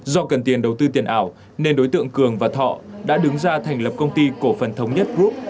do cần tiền đầu tư tiền ảo nên đối tượng cường và thọ đã đứng ra thành lập công ty cổ phần thống nhất group